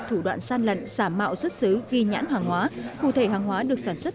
thủ đoạn gian lận xả mạo xuất xứ ghi nhãn hàng hóa cụ thể hàng hóa được sản xuất